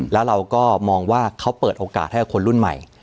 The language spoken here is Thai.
แล้วเราก็มองว่าเขาเปิดโอกาสให้คนรุ่นใหม่